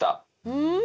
うん！